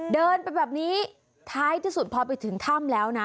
เดินไปแบบนี้ท้ายที่สุดพอไปถึงถ้ำแล้วนะ